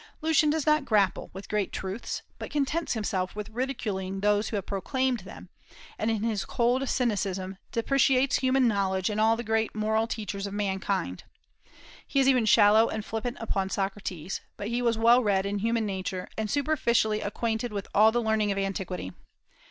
Lucian does not grapple with great truths, but contents himself with ridiculing those who have proclaimed them, and in his cold cynicism depreciates human knowledge and all the great moral teachers of mankind. He is even shallow and flippant upon Socrates; but he was well read in human nature, and superficially acquainted with all the learning of antiquity.